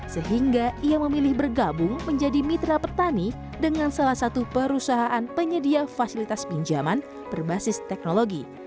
sehingga ia memilih bergabung menjadi mitra petani dengan salah satu perusahaan penyedia fasilitas pinjaman berbasis teknologi